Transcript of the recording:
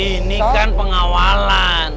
ini kan pengawalan